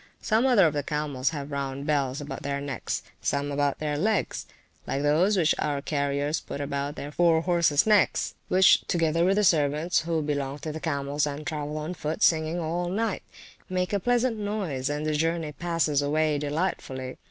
Some other of the camels have round bells about their necks, some about their legs, like those which our carriers put about their fore horses necks; which together with the servants (who belong to the camels, and travel on foot) singing all night, make a pleasant noise, and the journey passes away delightfully.